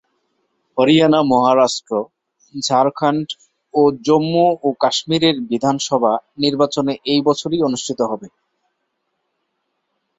হরিয়ানা, মহারাষ্ট্র, ঝাড়খন্ড ও জম্মু ও কাশ্মিরের বিধানসভা নির্বাচনে এই বছরই অনুষ্ঠিত হবে।